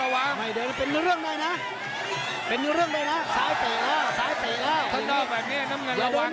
อ้าวมันจะโดนได้ไหมตัดไปแล้วอ้าวลำตัวแล้วนี่ไงนี่ไงอ้าวอ้าว